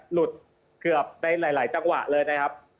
หลุดเกือบในหลายจังหวะเลยนะครับ